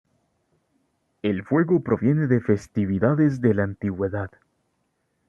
El fuego proviene de festividades de la antigüedad.